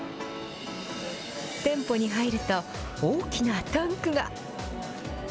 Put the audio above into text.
店舗に入ると、大きなタンクが。